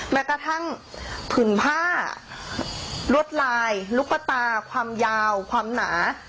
แม้กระทั่งผืนผ้าลวดลายลูกตาความยาวความหนา